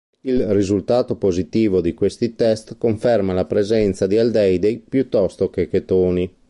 Il risultato positivo di questi test conferma la presenza di aldeidi piuttosto che chetoni.